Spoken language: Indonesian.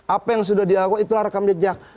apa yang sudah diakui itu rekam jejak